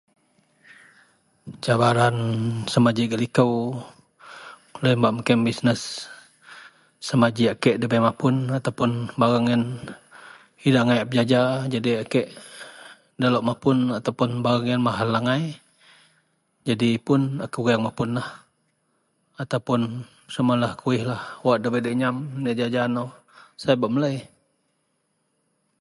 Cabaran sama ji gak likou louyen bak mekeang bisnes. Sama ji a kek ndabei mapun ataupun bareng yen idak angai a pejaja, jadi a kek ndalok mapun atau bareng yen mahal angai. Jadi pun a kureang mapunlah ataupun samalah kuwihlah ndabei diyak nyam nejaja nou, sai bak melei.